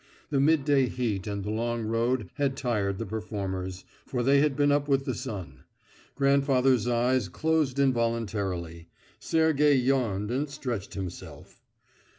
The mid day heat and the long road had tired the performers, for they had been up with the sun. Grandfather's eyes closed involuntarily. Sergey yawned and stretched himself.